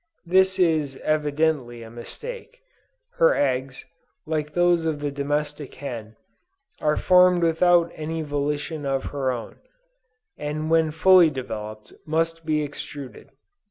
This is evidently a mistake. Her eggs, like those of the domestic hen, are formed without any volition of her own, and when fully developed, must be extruded.